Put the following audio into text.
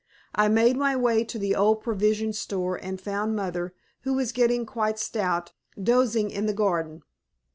I made my way to the old provision store and found mother, who was getting quite stout, dozing in the garden.